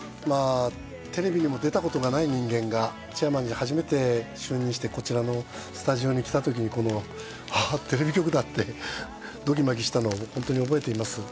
まあテレビにも出たことがない人間がチェアマンに初めて就任してこちらのスタジオに来たときにこのあっテレビ局だってドギマギしたのを本当に覚えています。